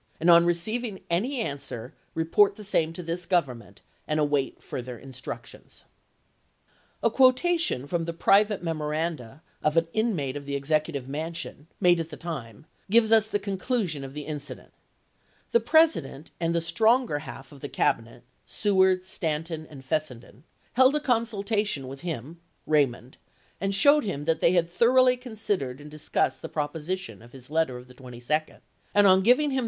Lincoln, and on receiving any answer, report the same to craft, this Government, and await further instructions." ms. A quotation from the private memoranda of an inmate of the Executive Mansion, made at the time, gives us the conclusion of the incident: "The Presi dent and the stronger half of the Cabinet, Seward, Stanton, and Fessenden, held a consultation with him [Raymond] and showed him that they had thoroughly considered and discussed the proposi tion of his letter of the 22d; and on giving him Aug.,i8M.